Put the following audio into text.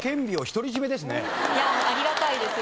いやありがたいですよね